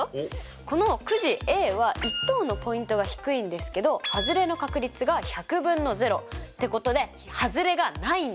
このくじＡは１等のポイントが低いんですけどはずれの確率が１００分の０ってことではずれがないんです。